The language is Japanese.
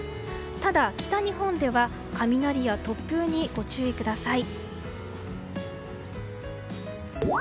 ただ、北日本では雷や突風にご注意ください。